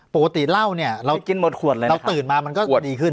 ปกติเหล้าเนี่ยเรากินหมดขวดเลยเราตื่นมามันก็ดีขึ้น